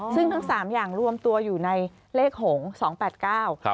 ซึ่งทั้ง๓อย่างรวมตัวอยู่ในเลข๘๙